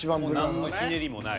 何のひねりもない。